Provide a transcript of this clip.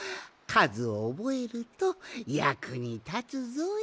かずをおぼえるとやくにたつぞい。